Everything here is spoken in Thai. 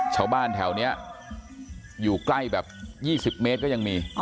ชาวบ้านแถวนี้อยู่ใกล้แบบ๒๐เมตรก็ยังมี